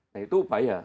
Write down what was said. nah itu upaya